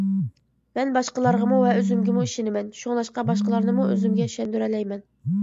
مەن باشقىلارغىمۇ ۋە ئۆزۈمگىمۇ ئىشىنىمەن، شۇڭلاشقا باشقىلارنىمۇ ئۆزۈمگە ئىشەندۈرەلەيمەن.